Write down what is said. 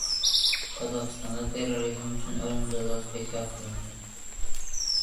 Qozog‘istonda terrorizm uchun o‘lim jazosi bekor qilindi